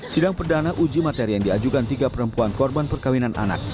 sidang perdana uji materi yang diajukan tiga perempuan korban perkawinan anak